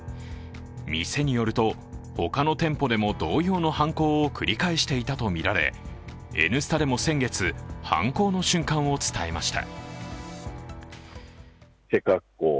店によると、ほかの店舗のでも同様の犯行を繰り返していたとみられ「Ｎスタ」でも先月、犯行の瞬間を伝えました。